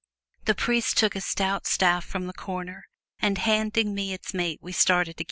The priest took a stout staff from the corner, and handing me its mate we started away.